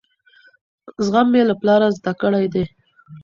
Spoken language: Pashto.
زغم مې له پلاره زده کړی دی.